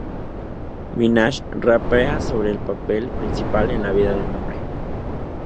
Minaj rapea sobre ser el "papel principal en la vida de un hombre".